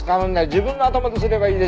自分の頭ですればいいでしょ！